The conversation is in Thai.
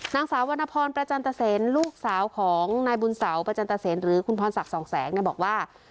นางสาววรรณพรประจันตเซนลูกสาวของนายบุญเสาประจันตเซนหรือคุณพรศักดิ์สองแสงบอกว่า